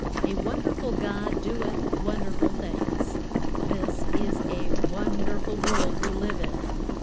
A wonderful God doeth wonderful things. This is a wonderful world we live in.